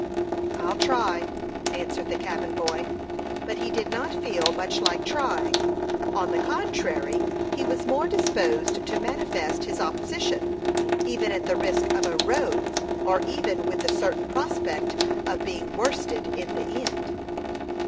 "I'll try," answered the cabin boy; but he did not feel much like trying; on the contrary, he was more disposed to manifest his opposition, even at the risk of a "row," or even with the certain prospect of being worsted in the end.